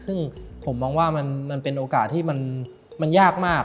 ซึ่งผมมองว่ามันเป็นโอกาสที่มันยากมาก